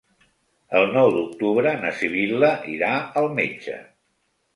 El nou d'octubre na Sibil·la irà al metge.